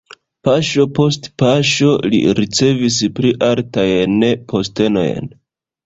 Paŝo post paŝo li ricevis pli altajn postenojn.